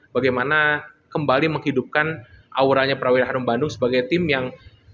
bagaimana kembali menghidupkan auranya prawira harum bandung sebagai tim yang